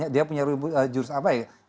dia punya jurus apa ya